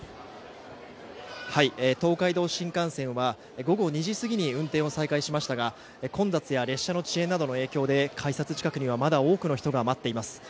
東海道新幹線は午後２時過ぎに運転を再開しましたが混雑や列車の遅延などの影響で改札の近くにはまだ多くの人が待っています。